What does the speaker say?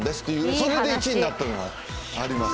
それで１位になったのはあります。